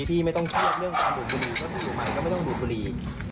พี่ไม่ต้องเชื่อเรื่องการดูดบุหรี่เพราะว่าพี่อยู่มาก็ไม่ต้องดูดบุหรี่